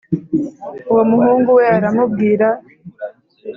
Uwo muhungu we aramubwira